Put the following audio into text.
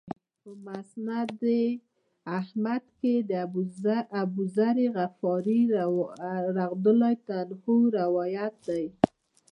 په مسند احمد کې د أبوذر غفاري رضی الله عنه نه روایت دی.